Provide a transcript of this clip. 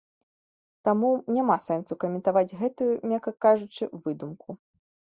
Таму няма сэнсу каментаваць гэтую, мякка кажучы, выдумку.